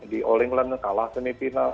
di all england kalah semifinal